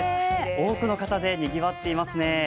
多くの方でにぎわっていますね。